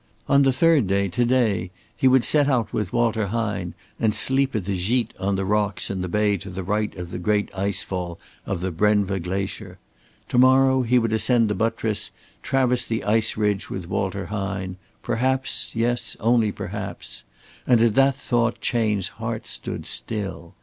On the third day, to day, he would set out with Walter Hine and sleep at the gîte on the rocks in the bay to the right of the great ice fall of the Brenva glacier. To morrow he would ascend the buttress, traverse the ice ridge with Walter Hine perhaps yes, only perhaps and at that thought Chayne's heart stood still.